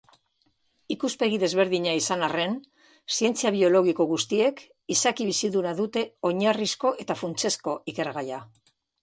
Ikuspegi desberdina izan arren, zientzia biologiko guztiek izaki biziduna dute oinarrizko eta funtsezko ikergaia.